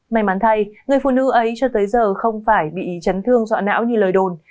may mắn thay người phụ nữ ấy cho tới giờ không phải bị chấn thương dọa não như lời đồn